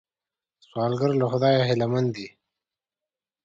سوالګر له خدایه هیلمن دی